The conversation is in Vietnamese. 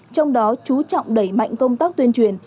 trong đó chú trọng đẩy mạnh công tác tuyên truyền